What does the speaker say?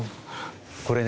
これね